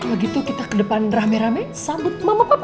begitu kita ke depan rame rame sambut mama papa